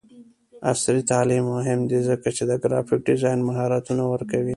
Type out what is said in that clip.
عصري تعلیم مهم دی ځکه چې د ګرافیک ډیزاین مهارتونه ورکوي.